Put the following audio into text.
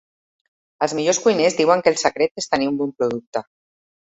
Els millors cuiners diuen que el secret és tenir un bon producte.